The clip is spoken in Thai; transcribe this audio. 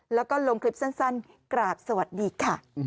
แล้วก็ลงคลิปสั้นกราบสวัสดีค่ะ